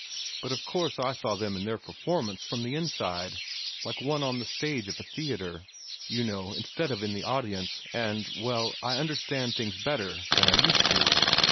But of course I saw them and their performance from the inside like one on the stage of a theatre, you know, instead of in the audience, and well, I understand things better than I used to."